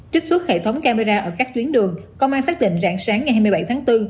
trích xuất hệ thống camera ở các tuyến đường công an xác định rạng sáng ngày hai mươi bảy tháng bốn